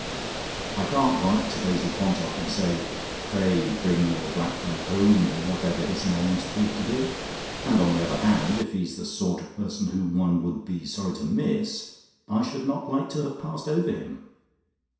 I can't write to Daisy Quantock and say 'Pray bring your black friend Om or whatever his name proves to be, and on the other hand, if he is the sort of person whom one would be sorry to miss, I should not like to have passed over him."